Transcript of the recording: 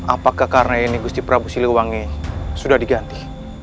apakah karena ini gusti prabu siliwangi sudah diganti